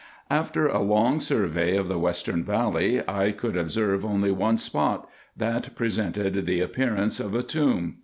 223 After a long survey of the western valley, I could observe only one spot, that presented the appearance of a tomb.